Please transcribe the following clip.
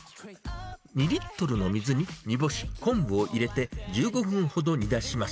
２リットルの水に煮干し、昆布を入れて、１５分ほど煮出します。